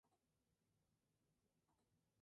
Bohemio, yo: ninguna de esas gentes me conoce.